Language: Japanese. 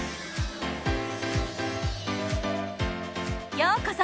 ようこそ！